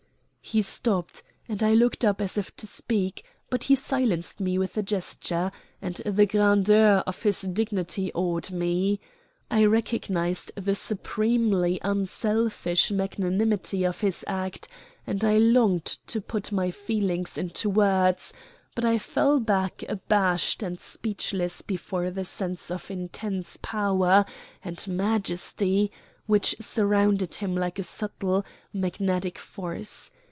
He stopped, and I looked up as if to speak, but he silenced me with a gesture; and the grandeur of his dignity awed me. I recognized the supremely unselfish magnanimity of his act, and I longed to put my feelings into words; but I fell back abashed and speechless before the sense of intense power and majesty which surrounded him like a subtle, magnetic force.